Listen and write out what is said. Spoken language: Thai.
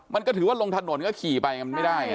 มันก็ถือว่าลงถนนก็ขี่ไปมันไม่ได้